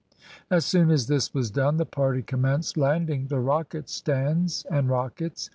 As soon as this was done, the party commenced landing the rocket stands and rockets.